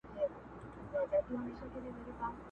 په دا تش دیدن به ولي خپل زړګی خوشالومه٫